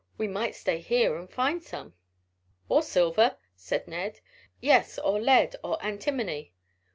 We might stay here and find some." "Or silver," said Ned. "Yes, or lead, or antimony."